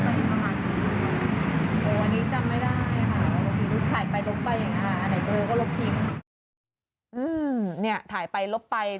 อิ่อเต็มนี่จำไม่ได้ค่ะ